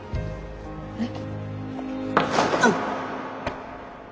えっ？